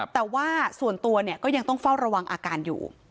แต่ว่าส่วนตัวเนี่ยก็ยังต้องเฝ้าระวังอาการอยู่